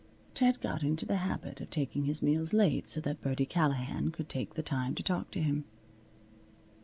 Ted got into the habit of taking his meals late, so that Birdie Callahan could take the time to talk to him.